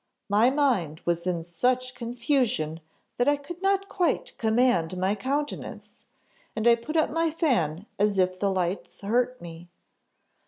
My mind was in such confusion that I could not quite command my countenance, and I put up my fan as if the lights hurt me.